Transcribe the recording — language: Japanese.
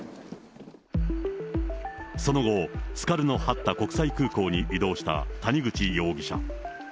その後、スカルノ・ハッタ国際空港に移動した谷口容疑者。